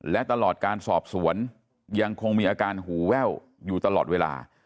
และตลอดการสอบสวนยังคงมีอาการหูแว่วอยู่ตลอดเวลา